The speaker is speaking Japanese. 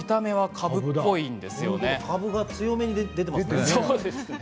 かぶが強めに出てますね。